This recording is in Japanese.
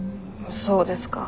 そうですか。